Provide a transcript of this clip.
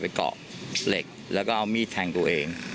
เกาะเหล็กแล้วก็เอามีดแทงตัวเอง